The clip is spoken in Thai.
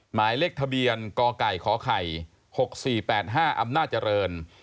หมายเลขทะเบียนกไก่ขไข่๖๔๘๕อำนาจเจริญ